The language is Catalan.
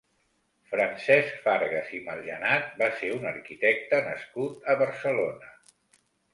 Francesc Fargas i Margenat va ser un arquitecte nascut a Barcelona.